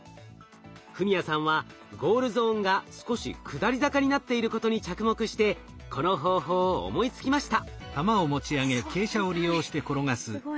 史哉さんはゴールゾーンが少し下り坂になっていることに着目してこの方法を思いつきました。